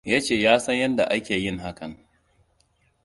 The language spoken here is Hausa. Ya ce ya san yadda ake yin hakan.